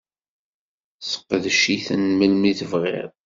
Seqdec-iten melmi tebɣiḍ.